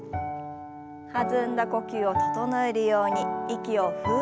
弾んだ呼吸を整えるように息をふっと吐き出しながら。